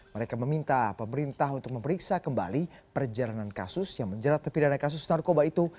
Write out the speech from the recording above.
mereka meminta pemerintah untuk memeriksa kembali perjalanan kasus yang menjerat terpidana kasus narkoba itu